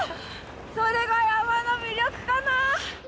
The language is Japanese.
それが山の魅力かな！